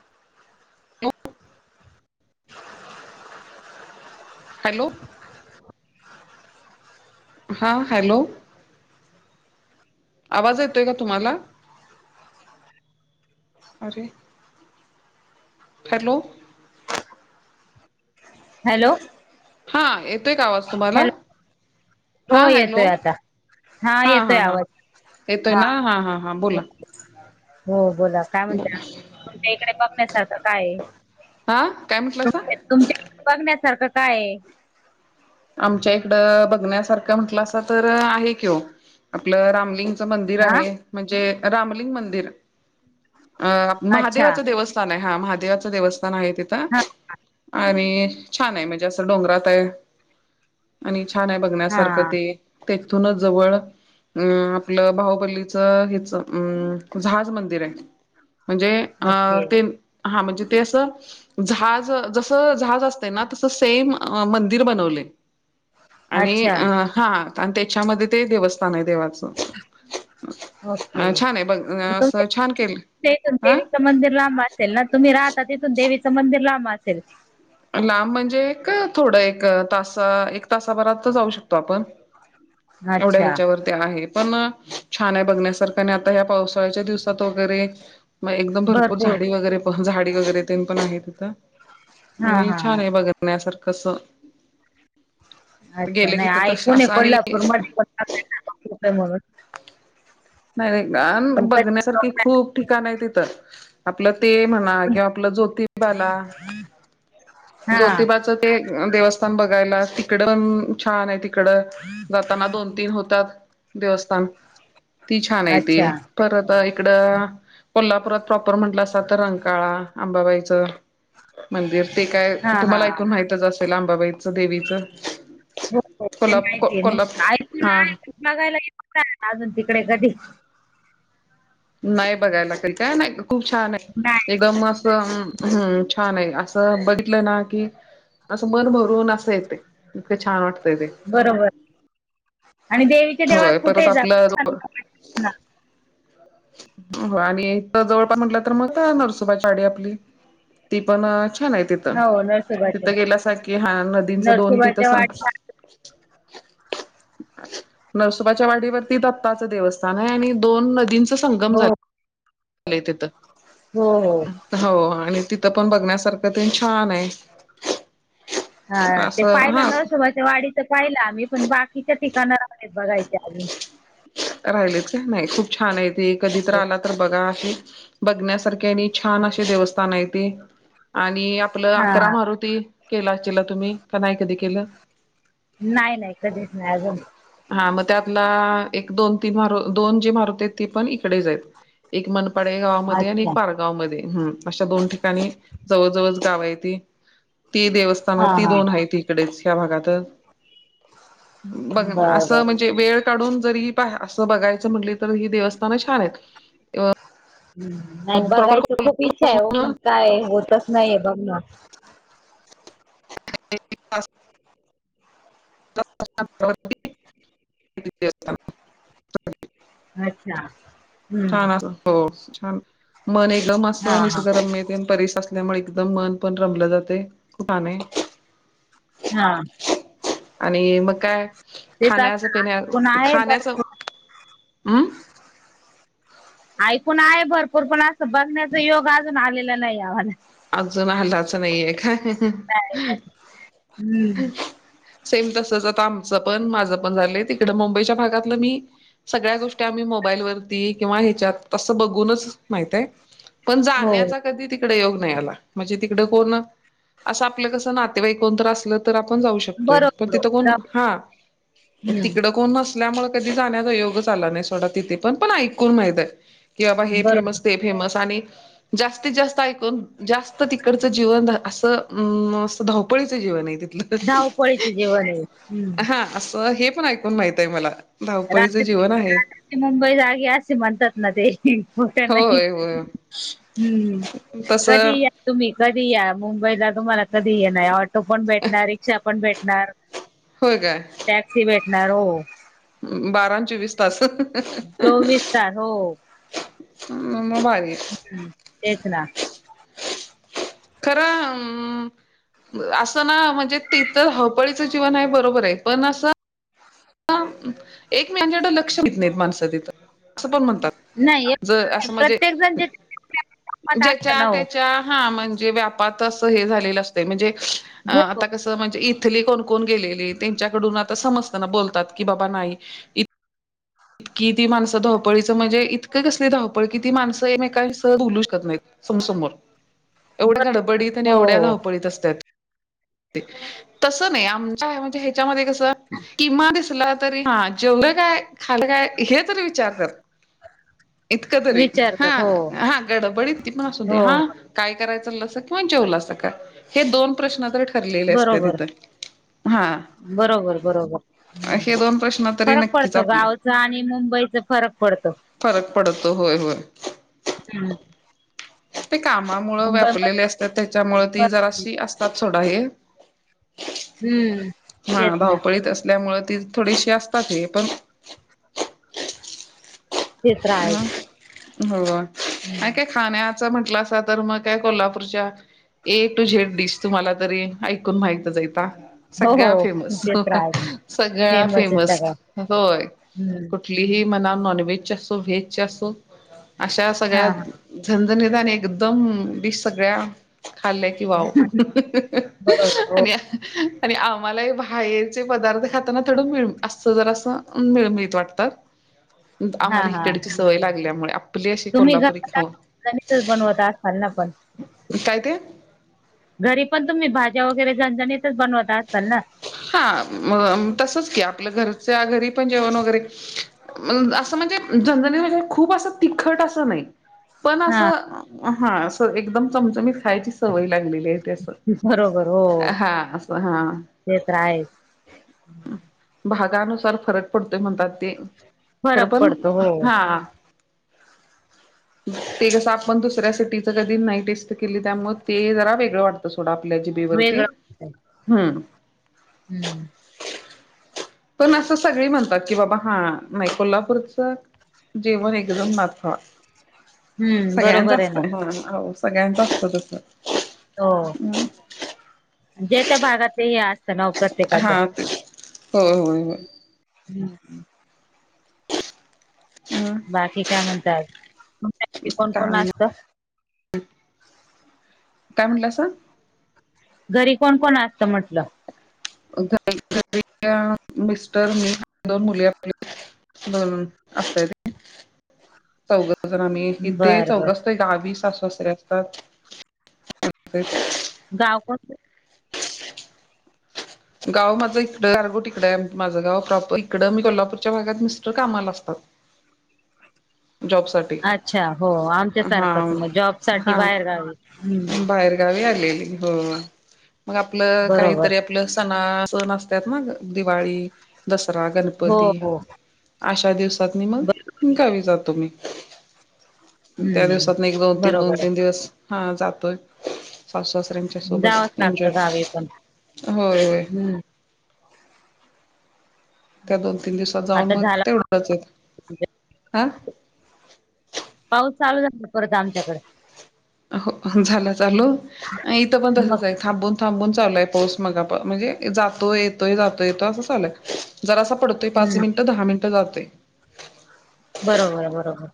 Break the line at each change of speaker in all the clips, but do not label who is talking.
[inaudible]
Hello! हा hello! आवाज येतोय का तुम्हाला,? अे. हॅलो!
हॅलो!
हा येतोय का आवाज तुम्हाला?
हॅलो
हा
हो येतोय
हॅलो
आता.
हा
येतोय
हा हा
आवाज
येतोय ना हा हा हा बोला.
हो बोला काय म्हणते
बोला
तमच्या इकडे बघण्यासारख काय?
हा काय म्हटल अस.
तुमच्या तुमच्या इकडे बघण्यासारखं काय?
आमच्या इकड बघण्यासारखं म्हंटलं अस तर आहे कि हो आपलं रामलिंग. मंदिर
हा
आहे म्हणजे रामलिंग मंदिर. अ
अच्छा
महादेवाचं देवस्थान आहे हा महादेवाचं देवस्थान आहे तिथं
हा
आणि छान आहे म्हणजे असं डोंगरात आहे आणि छान आहे
हा
बघण्यासारखं ते. तेथूनच जवळ अं आपलं बाहुबलीच हच अं जहाज मंदिर आहे. म्हणजे अ
ओके
ते हा म्हणजे. ते असं जहाज जसं जहाज असते ना तसं सेम मंदिर बनवले. आणि
अच्छा
अ हा आणि त्याच्यामध्ये ते देवस्थान आहे देवाचं.
ओके
अ छान
मग
आहे बघ असं
तुमच्या
छान केलं.
इथून
हा
देवीचं मंदिर लांब असेल ना तुम्ही राहता तिथून देवीचं मंदिर लांब असेल.
लांब म्हणजे का थोड एक तासा एक तासाभरात जाऊ शकतो आपण. एवढ्या
अच्छा
ह्याच्यावरती आहे पण. छान आहे बघण्यासारखं आणि आता या पावसाळ्याच्या दिवसात वगैरे. मग एकदम भरपूर झाडी वगैरे पण झाडी वगैरे ते पण आहे तिथं.
हा
आणि
हा
छान आहे बघण्यासारखं अस.
अच्छा नाही ऐकू न
आणि
कोल्हापूर मध्ये पण का मग?
नाही व्हय. बघण्यासारखी खूप ठिकाण आहे तिथं आपलं ते म्हणा
पण
किंवा आप ज्योती
हा
जोतिबाच ते देवस्थान बघायला. तड पण छान आहे तिकड जाताना दोन तीन होतात दिव ती छान आहे त
अच्छा
परत इकड कोल्हापुरात. प्रॉपर म्हटलं असत तर रंकाळा, अंबाबाईचं मंदिर ते काय.
हां
तुम्हाला
हां.
ऐकून माहितच असेल अंबाबाईचं देवीचं.
हो हो ते
कोल्हाप को
माहितीय
कोल्हाप
मग
हा
ऐकून बघायला येत अजून तिकडे कधी.
नाही बघायला तरी काय नाही खूप छान आहे
नाही
एकदम म हम् छान आहे असं बघितलं ना की. असं मन भरून असं येते इतकं छान वाटतय ते.
बरोबर आणि देवीच्या देवळात
होय परत
कुठे जा.
आपलं हो आणि तर जवळपास म्हटलं तर मग नरसुबाची वाडी आपली. ती पण छान आहे तिथं.
हो नरसोबाच्या
तिथं गेल्या स की हा नदींचं दोन तिथं
नरसोबाच्या
स.
वाडीला
नरसोबाच्या वाडीवरती दत्ताच देवस्थान आहे आणि दोन नदी संगम
हो
झा तिथ
हो हो.
हो आणि त. तर पण बघण्यासारखं ते छान आहे.
हा ते
असं
पाहिलं
हा
नरसोबाच्या वाडी तर पाहिला आम्ही पण बाकी तिच्या ठिकाणा बघायचे आ.
राहिलेच का नाही खूप छान आहे ते कधी तर
हो
आला तर बघा आहे. बघण्यासारखे आणि छान असे देवस्थान आहे ते आणि आपलं अकरा
हां
मारुती. केला असला तुम्ही का नाही कधी केलं.
नाही नाही कधीच नाही अजून.
हा मग एक दोन तीन मार दोन जी मारुत आहेत ती पण इकडेच आहेत. एक मनपाडे गावामध्ये आणि
अच्छा.
एक पारगाव मध्ये हम अशा दोन ठिकाणी जवळ जवळच गाव आहे ते. ती देवस्थान
हां
ती
हां
दोन आहे तीकडेच भागातच बघ
बरं
अस
बरं.
म्हणजे वेळ काढून. जरी अस बघायचं म्हटली तर ही देवस्थान छान आहेत.
हम् नाही
प्रॉपर
बघायच खूप इच्छा आहे हो पण काय होतच नाहीे बघण, अच्छा. हम्म.
छान असं हो, मन एकदम
हा,
असं
हा.
निसरम मिळते आणि परस असत. त्यामुळे एकदम मन पण रमलं जाते [inaudible]
हा.
आणि मग काय
तेच
खाण्याचं
असं
पिण्या
ऐकून आहे
खाण्याचं
भरपूर.
हम्.
ऐकून आहे भरपूर पण असं बघण्याचा योग अजून आलेला नाही आम्हाला.
अजून हल्लाच नाहीये का
हम्म.
सेम तसच आता आमचं पण माझं पण झालंय तिकड मुंबईच्या भागातलं मी. सगळ्या गोष्टी आम्ही मोबाईलवरती किंवा ह्याच्यात असं बघूनच माहित आहे पण
हो.
जाण्याचा कधी तिकडं योग नाही आला म्हणजे तिकडं कोण असं आपलं कसं नातेवाईकोण तर असलं तर आपण जाऊ शकतोय पण
बरोबर.
तिथं कोण हा, तिकडं
हम्म.
कोण नसल्यामुळे कधी जाण्याचा योगच आला नाही सोडा तिथं पण, पण ऐकून माहित आहे कि बाबा हे
बरोबर.
फेमस ते फेमस आणि जास्तीत जास्त ऐकून जास्त तिकडचं जीवन असंं धावपळीच जीवन आहे तिथलं
धावपळीचं जीवन आहे. हम्म.
हा असं हे पण ऐकून माहित आहे मला धावपळीचं
रात्री
जीवन आहे
रात्रीची मुंबई जागी असते म्हणतात ना ते हो त्यांना की
होय होय
हम्म
तसं
कधीही या तुम्ही कधीही या मुंबईला तुम्हाला कधीही या ऑटो पण भेटणार, रिक्षा पण भेटणार
होय काय
नारो
बारानं चोवीस तास
चोवीस तास. हो.
मग भारी
हम्म तेच ना
खरं मं असं ना म्हणजे ते तर धावपळीचं जीवन आहे बरोबर आहे पण असं हं एकमेकांच्याकड लक्ष देतं नाहीत माणसं तिथं पण म्हणतात
नाही
बं असं म्हणजे
प्रत्येक जण जे मत असत ना
ज्यांच्या
हो
त्यांच्या हा म्हणजे व्या भात असं हे झालेल असतय म्हणजे
हो हो
आता कसं म्हणजे इथली कोण कोण गेलेले त्यांच्याकडून आता समजताना बोलतात की बाबा नाही इतकी ती माणसं धावपळीचं म्हणजे इतकं कसली धावपळ की ती माणसं एकमेकांसह बोलू शकत नाहीत सम समोर
बर-
एवढ्या गडबडीत आणि
हो
एवढ्या
हो
धावपळीत असत्यात तसं नाही आमच्या म्हणजे ह्याच्यामध्ये कसं किमान हे जेवलं काय खालं काय हे तरी विचारत्यात इतकं तरी हा
विचारतात हो
हा गडबडी कितीपण असू दे
हो
हा
हो.
काय काय कराय चाललासा किंवा जेवलासा काय हे दोन प्रश्न तरी ठरलेले असत्यात
बरोबर
इथं
बरोबर बरोबर
हे दोन प्रश्न तरी
फरक
नक्कीच
पडतो
आपले
गवचा आणि मुंबईचा फरक पडतो
फरक पडतो होय होय
हम्म
ते कामामुळे व्यापरलेले
मुंबईमध्ये
असतात, त्याच्यामुळ ती जरा
फरक-
असतात सोडा हे
हम्म
हा
तेच ना
धावपळीत असल्यामुळे ती थोडीशी असतात हे पण
तेच राहायच
हम हो खाण्यात म्हटलंसा तर म काय कोल्हापूरच्या ए टू झेड डिश तुम्हाला तरी ऐकून माहितच आहेता
हो
सगळ्या
हो
फेमस
तेच राहायच
सगळ्या
आहे
फेमस
सगळं
होय
हम्म
कठलीही मला नाँनव्हेजची असो, व्हेजची असो अशा
हा
सगळ्या
हा
झणझ णीत आणि एकदम डिश सगळ्या खाल्लं कि वाव
बरोबर हो
आणि आणि आम्हाला हे बाहेरचे पदार्थ खाताना थोडं मिळ असं जरास मिळमिळत वाटतं [unintelligible]
हा
आम्हाला ही.
हा
तिकडची सवय लागल्यामुळे आपली.. अशी
तुम्ही
कोल्हापुरी खाऊन
घरात गणितच बनवत असाल ना पण
काय ते?
घरी पण तुम्ही, भाज्या वगैरे झणझणीत
हा मं तसचं की. आपल घरच्या घरी पण जेवण वगैरे. म अस म्हणजे झणझणीत म्हणजे, खूप अस तिखट अस नाही पण, अस हा, अस एकदम चमचमीत खायची सवय लागलेली. हे ते अस..
बरोबर हो
हा. हा
ते तर आहेच.
भागानुसार फरक पडतोय म्हणतात, ते खरं
फरक
पण
पडतो हो.
हा. ते जसं आपण दुसऱ्या सिटीच कधी नाही टेस्ट केली त्, यामुळ ते जरा वेगळं वाटतं, सोडा आपल्या जिभे वरती.
वेगळं हम्म.
पण असं सगळी म्हणतात, की बाबा हा, नाही कोल्हापूरच जेवण एकदमच हो,
हम्म
सगळ्यांच
बरोबर आहे ना
असतय हा, हो सगळ्यांच असत तस.
हो. ज्या त्या भागात हे असत ना, ओ
अ
प्रत्येकाच.
हा ते होय होय होय.
हम्म हम्म.
अ
बाकी काय म्हणताय अजून [unintelligible] कोण कोण
काय
असत?
काय म्हटलासा?
घरी कोण कोण असत म्हटलं.?
घ घरी आ मिस्टर, मी, दोन मुली. ह, असतय ते. चौघजण आम्ही, इथे
बरं
चौघ
बर
असतोय, गावी सासू सासरे [inaudible]
गाव कस आहे
[inaudible] गाव माझं इकडं गारगोटिकड [unintelligible] माझं गाव प्रॉपर इकडं. आन, कोल्हापूरच्या भागात मिस्टर कामाला असतात.
[inaudible]
जॉबसाठी
अच्छा हो, आमच्या
हा
सारखंच मग जॉब साठी
हा
बाहेर गावी. हम्म
बाहेरगावी हो म आपल,
बरोबर
काहीतरी आपल हा. सण असत्यात ना ग दिवाळी. दसरा,
हो
गणपती
हो
अशा दिवसातनी
बर
मग गावी जात. तुम्ही, त्या
हम्म.
दिवसात एक, दोन- तीन, दोन
बरोबर
-तीन दिवस हा जातोय. सासू सासऱ्यांच्या
आहे जावंच
सोबत
लागतं
एन्जॉय.
गावी पण.
होय होय.
हम्म.
त्या दोन, तीन दिवसात जाऊन
आता
मग
झाला पाऊस
तेवढंच येतोय. हा
पाऊस चालू झाला, परत आमच्याकड.
हो ह झालं चालू. इथं पण तसच
मग
आहे, थांबून थांबून चालू हाय. पाऊस मगा पा -म्हणजे जातो येतोय, जातो येतो असं चालू हाय. जरासा पडतोय पाच
हम्म.
मिनिटं, दहा मिनिटं जातोय.
बरोबर बरोबर.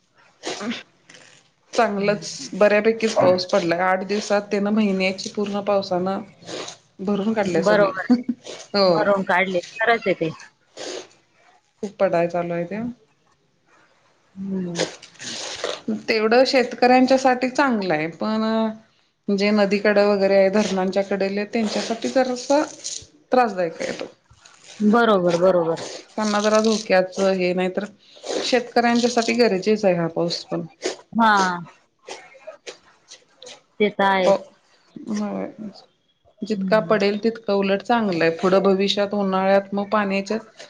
चांगलंच. बऱ्यापैकीच पाऊस पडलाय आठ दिवसात त्येनं महिन्याची पूर्ण पावसान भरून काढल्या सगळी.
बरोबर आहे
हो.
भरून काढले खरंच आहे ते.
खूप पडाय चालूय त्यो.
हम्म.
तेवढं शेतकऱ्यांच्या साठी चांगलंय. पण अ जे नदीकड वगैरे आहे धरणांच्या कडेले त्यांच्यासाठी जरासं
बरोबर बरोबर
जरा धोक्याच हे नाही तर शेतकऱ्यांच्यासाठी गरजेच हा पाऊस पण
हा ते तर
हो
आहेच
जितका
हम्म.
पडेल तितकं उलट चांगलंय पुढं भविष्यात उन्हाळ्यात मग पाण्याच्यात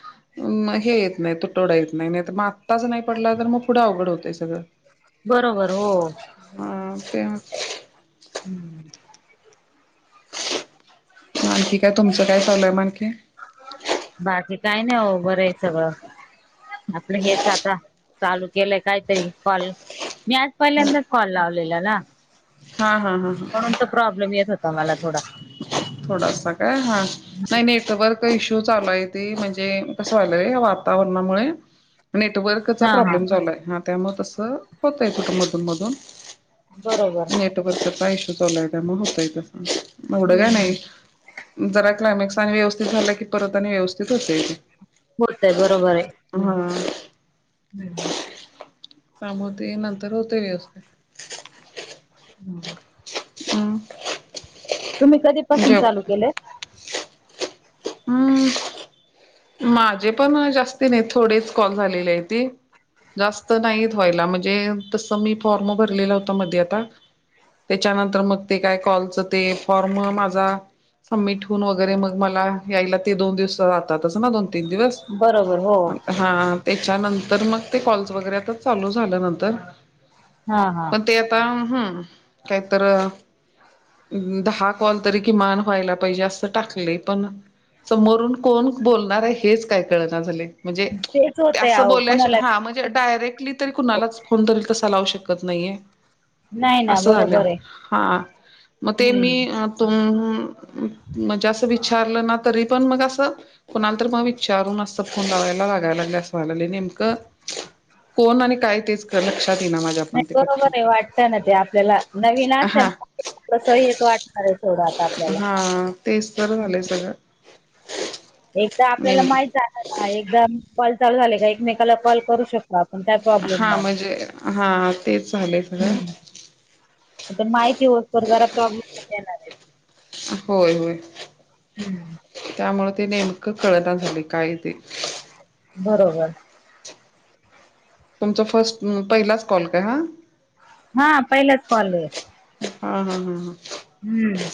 हे येत नाही [unintelligible] येत नाय तर मग आत्ताच नाही पडला तर मग पुढे अवघड होतंय सगळं
बरोबर हो
हा ते
हम्म
म आणखी काय तुमचं काय चालूय म आणखी
बाकी काय नाय ओ बरंये सगळं आपलं हेच आता चालू केलंय कायतरी कॉलेज मी आज पहिल्यांदाच कॉल लावलेला ना
हा हा हा हा.
म्हणून तर प्रॉब्लेम येत होता मला थोडा
थोडासा काय हा नाही नेटवर्क इश्यू श्यू चालूय ते म्हणजे कस व्हालंय वातावरणामुळे नेटवर्कचा
हा हा.
प्रॉब्लेम झालाय हा त्यामुळ तसं होतय कुठं मधून मधून
बरोबर
नेटवर्कचा इश्यू चालूय त्यामुळं होतय तसं एवढं
हम्म
काय
हम्म
नाय जरा क्लायमॅक्स आणि व्यवस्थित झाला की परत आणि व्यवस्थित होतय ते
होतय बरोबरय
हा
हम्
काम होतय नंतर होतय व्यवस्थि
हम्
[inaudible]
तुम्ही कधीपासून
जेव
चालू केलंय
हम्म माझे पण अ जास्ती नाही थोडेच कॉल झालेले हायती जास्त नाहीत व्हायला म्हणजे तसं मी फॉर्म भरलेलं होता मध्ये आता त्याच्यानंतर मग ते काय कॉलचं ते फॉर्म माझा सबमिट होऊन वगैरे मग मला यायला ते दोन दिवस जातात दिवस
बरोबर हो
हा त्याच्यानंतर मग ते कॉल्स वगैरे आता चालू झालं नंतर
हा हा
पण ते आता हम् काहीतर दहा कॉल तरी किमान व्हायला पाहिजे असं टाकलय पण समोरून कोण बोलणारय हेच काय कळणा झालय म्हणजे
तेच
ते
होतय
असं
आहो
बोल्या शिवा
कोणाला
हा म्हणजे डायरेक्ट तरी कुणालाच फोन तरी कसा लावू शकत नाहीये
नाही ना
असं झालं
बरोबर आहे
हा मग ते मी
हम्म
अ तुम मच्या असं विचारलं ना तरी पण मग असं कुणाल तर मग विचारून असं फोन लावायला लागायला लागले असं [unintelligible] कोण आणि काय तेच लक्ष क्षात इना माझ्या पण
नाही
ते
बरोबर
पटकन
आहे वाटतं ना ते आपल्याला नवीन असल्या
हा
कसं हेच वाटणार आहे थोडं आता आपल्याला
हा.. तेच तर झालंय सगळं
एकदा आपल्याला
नेम
माहित झाल ना एकदा कॉल चालू झाले का एकमेकाला कॉल करू शकतो आपण काय प्रॉब्लेम
हा
नाही.
म्हणजे हा तेच झालंय सगं
माहितीय ओ तर जरा प्रॉब्लेम येणार आहे
होय होय
हम्म
त्यामुळं ते नेमकं कळना झालंय काय ते
बरोबर
तुमचा फर्स्ट मम् पहिलाच कॉल का हा
हा पहिलाच कॉलय
हा हा हा हा
हम्म